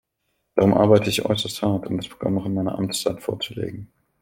Darum arbeite ich äußerst hart, um das Programm noch in meiner Amtszeit vorzulegen.